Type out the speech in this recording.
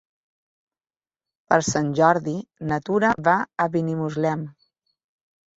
Per Sant Jordi na Tura va a Benimuslem.